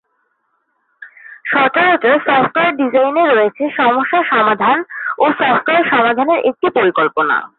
সচরাচর সফটওয়্যার ডিজাইনে রয়েছে সমস্যা সমাধান ও সফটওয়্যার সমাধানের একটি পরিকল্পনা।